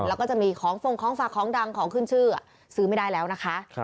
แล้วก็จะมีของฟงของฝากของดังของขึ้นชื่อซื้อไม่ได้แล้วนะคะ